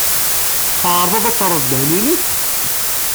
I tɛerḍed ad terred ddehn-nnek?